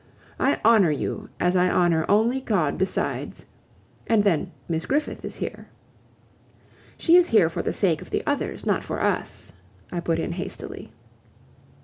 I honor you as I honor only God besides. And then, Miss Griffith is here." "She is here for the sake of the others, not for us," I put in hastily.